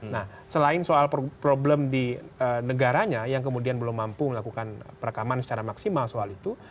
nah selain soal problem di negaranya yang kemudian belum mampu melakukan perekaman secara maksimal soal itu